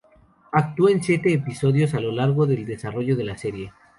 Actuó en siete episodios a lo largo del desarrollo de la serie.